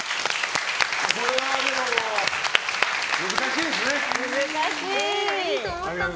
これは難しいですね。